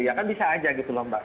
ya kan bisa aja gitu loh mbak